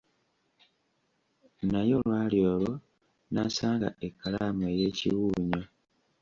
Naye olwali olwo n'asanga ekkalaamu ey'ekyewuunyo.